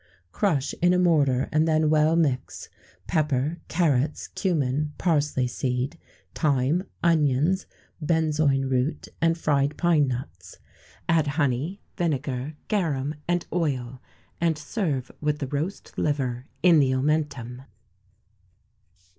_ Crush in a mortar, and then well mix, pepper, carrots, cummin, parsley seed, thyme, onions, benzoin root, and fried pine nuts; add honey, vinegar, garum, and oil, and serve with the roast liver in the omentum.